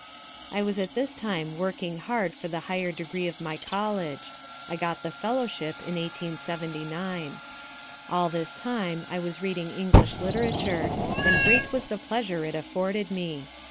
"I was at this time working hard for the higher degree of my college. I got the fellowship in 1879. "All this time I was reading English literature, and great was the pleasure it afforded me.